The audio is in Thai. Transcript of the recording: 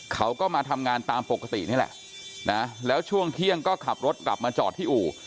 เขาก็มาทำงานตามปกตินี่แหละนะแล้วช่วงเที่ยงก็ขับรถกลับมาจอดที่อู่